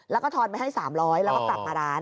แล้วก็ทอนไปให้๓๐๐แล้วก็กลับมาร้าน